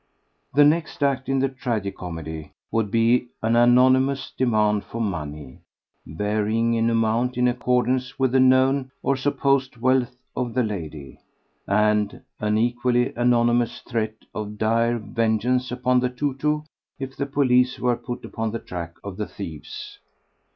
The next act in the tragi comedy would be an anonymous demand for money—varying in amount in accordance with the known or supposed wealth of the lady—and an equally anonymous threat of dire vengeance upon the tou tou if the police were put upon the track of the thieves.